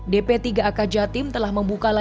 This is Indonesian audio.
dp tiga ak jatim telah membuka layanan